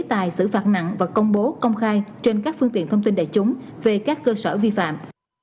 tài xử phạt nặng và công bố công khai trên các phương tiện thông tin đại chúng về các cơ sở vi phạm